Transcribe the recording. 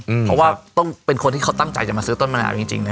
อืมเพราะว่าต้องเป็นคนที่เขาตั้งจัยจะมาซื้อต้นมะนาวจริงจริงเนี้ย